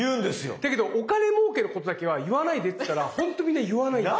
だけどお金もうけのことだけは言わないでって言ったらほんとみんな言わないんですよ。